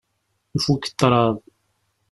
Ifukk ṭṭṛad.